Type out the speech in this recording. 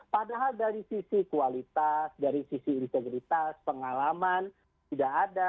padahal dari sisi kualitas dari sisi integritas pengalaman tidak ada